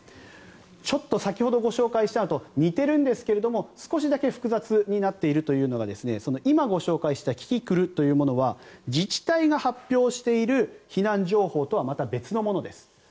ちょっと、先ほどご紹介したのと似ているんですが少しだけ複雑になっているというのが今、ご紹介したキキクルというのは自治体が発表している避難情報とはまた別のものです。